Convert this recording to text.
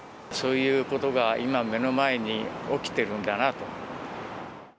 そういうことが今、目の前に起きているんだなと。